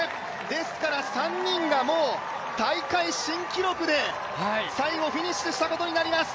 ですから、３人がもう大会新記録で最後、フィニッシュしたことになります。